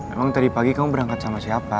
emang tadi pagi kamu berangkat sama siapa